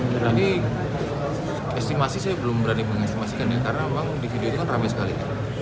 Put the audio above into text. jadi estimasi saya belum berani mengestimasi karena di video itu kan ramai sekali